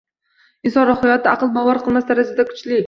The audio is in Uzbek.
Inson ruhiyati aql bovar qilmas darajada kuchli.